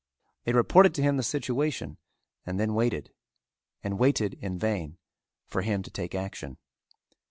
They reported to him the situation and then waited, and waited in vain, for him to take action.